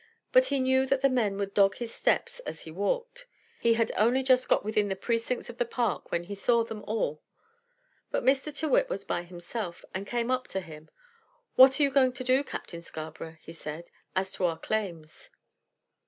But he knew that the men would dog his steps as he walked. He had only just got within the precincts of the park when he saw them all. But Mr. Tyrrwhit was by himself, and came up to him. "What are you going to do, Captain Scarborough," he said, "as to our claims?"